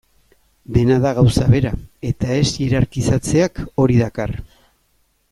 Dena da gauza bera, eta ez hierarkizatzeak hori dakar.